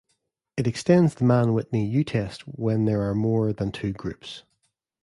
It extends the Mann-Whitney U test when there are more than two groups.